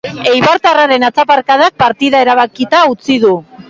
Eibartarraren atzaparkadak partida erabakita utzi du.